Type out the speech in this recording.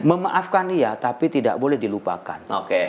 memaafkan iya tapi tidak boleh dilupakan